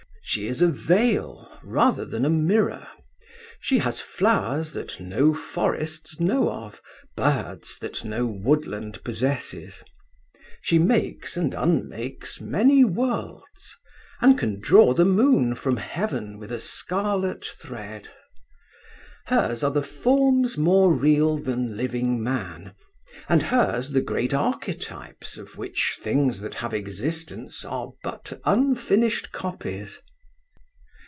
She is a veil, rather than a mirror. She has flowers that no forests know of, birds that no woodland possesses. She makes and unmakes many worlds, and can draw the moon from heaven with a scarlet thread. Hers are the "forms more real than living man," and hers the great archetypes of which things that have existence are but unfinished copies.